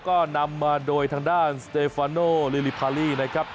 ก็นำมาโดยทางด้านสเตฟาโนลิลิพาลีนะครับ